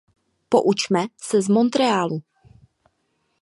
Poučme se z Montrealu.